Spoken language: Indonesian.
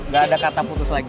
gak ada kata putus lagi